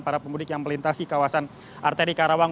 para pemudik yang melintasi kawasan arteri karawang